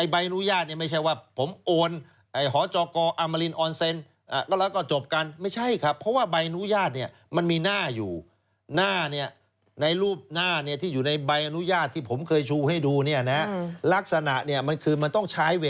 ใบอนุญาตไม่ใช่ว่าผมโอน